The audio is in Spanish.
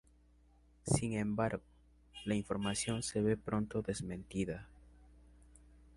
Sin embargo, la información se ve pronto desmentida.